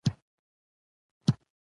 د والدینو خدمت د جنت کلي ده.